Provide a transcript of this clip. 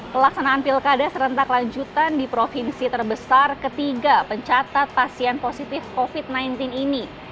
pelaksanaan pilkada serentak lanjutan di provinsi terbesar ketiga pencatat pasien positif covid sembilan belas ini